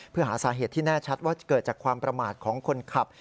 เพื่อหาสาเหตุที่แน่ชัดว่าจะเกิดจากความประมาทของคนขับ